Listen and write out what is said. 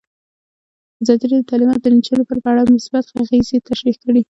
ازادي راډیو د تعلیمات د نجونو لپاره په اړه مثبت اغېزې تشریح کړي.